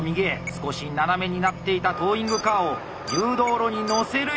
少し斜めになっていたトーイングカーを誘導路に乗せるようにバック！